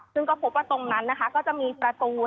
ซึ่งก็พบว่าตรงนั้นนะคะก็จะมีประตู